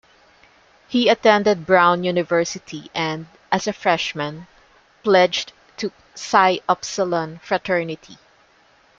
He attended Brown University and, as a freshman, pledged to Psi Upsilon fraternity.